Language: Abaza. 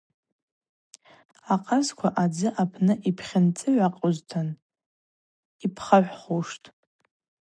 Акъазква адзы апны йпхьынцӏыгӏвакъьузтын йпхагӏвхуштӏ.